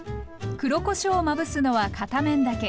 黒こしょうをまぶすのは片面だけ。